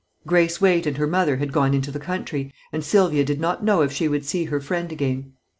Grace Waite and her mother had gone into the country, and Sylvia did not know if she would see her friend again.